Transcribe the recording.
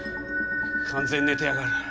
完全に寝てやがる！